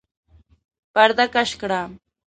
پرده کش کړه!